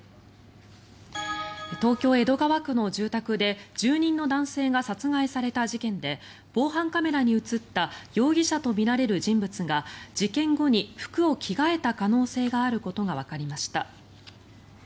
東京・江戸川区の住宅で住人の男性が殺害された事件で防犯カメラに映った容疑者とみられる人物が事件後に服を着替えた可能性があることがわかりました。